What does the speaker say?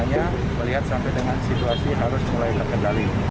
hanya melihat sampai dengan situasi harus mulai terkendali